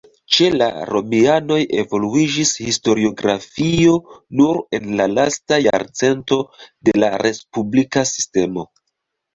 Ĉe la romianoj evoluiĝis historiografio nur en la lasta jarcento de la respublika sistemo.